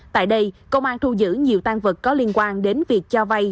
tại đây công an thu giữ nhiều tan vật có liên quan đến việc cho vay